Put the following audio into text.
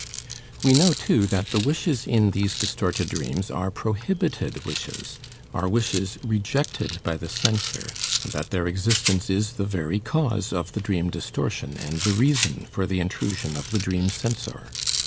We know, too, that the wishes in these distorted dreams are prohibited wishes, are wishes rejected by the censor and that their existence lit the very cause of the dream distortion and the reason for the intrusion of the dream censor.